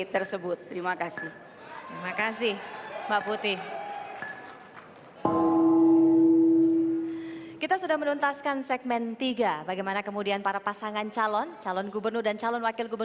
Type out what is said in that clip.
terima kasih mbak putih